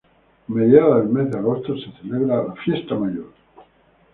A mediados del mes de agosto se celebra la Fiesta Mayor.